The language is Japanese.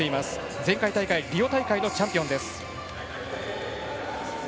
前回大会、リオ大会のチャンピオンです。